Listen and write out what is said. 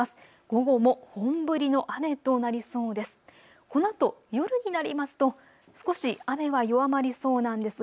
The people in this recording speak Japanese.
午後も本降りの雨となりそうです。